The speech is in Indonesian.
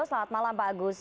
selamat malam pak agus